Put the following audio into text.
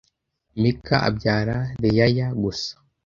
Mika abyara Reyaya gusa